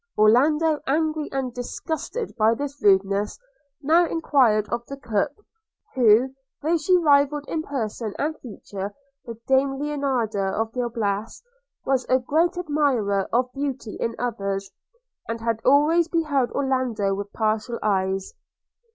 Orlando, angry and disgusted by this rudeness, now enquired of the cook, who, though she rivalled in person and feature the dame Leonarda of Gil Blas, was a great admirer of beauty in others, and had always beheld Orlando with partial eyes.